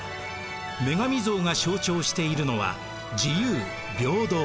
女神像が象徴しているのは「自由」「平等」。